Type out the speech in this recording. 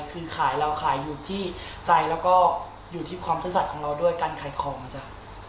คือขายเราขายอยู่ที่ใจแล้วก็อยู่ที่ความซื่อสัตว์ของเราด้วยการขายของจ้ะ